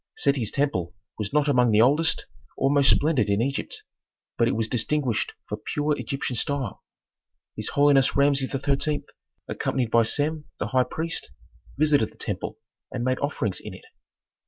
Seti's temple was not among the oldest or most splendid in Egypt, but it was distinguished for pure Egyptian style. His holiness Rameses XIII., accompanied by Sem the high priest, visited the temple and made offerings in it.